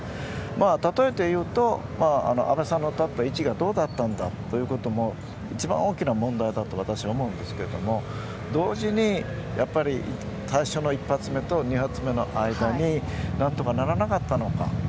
たとえて言うと安倍さんの立った位置がどうだったんだということも一番大きな問題だと思うんですけども同時に１発目と２発目の間に何とかならなかったのか。